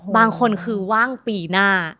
บางคนคือว่างปีหน้า